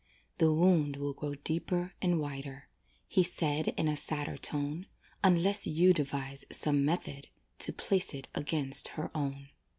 "The wound will grow deeper and wider," He said in a sadder tone, "Unless you devise some method To place it against her own."